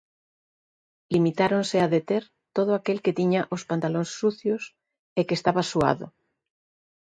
Limitáronse a deter todo aquel que tiña os pantalóns sucios e que estaba suado.